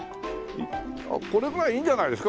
これぐらいいいんじゃないですか？